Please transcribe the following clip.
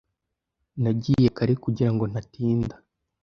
Nagiye kare kugirango ntatinda.